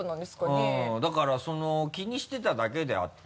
うんだからその気にしてただけであって。